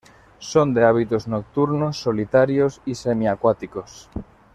Son de hábitos nocturnos, solitarios y semiacuáticos.